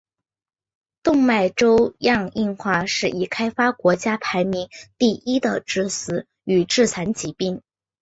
动脉粥样硬化是已开发国家排名第一的致死与致残疾病。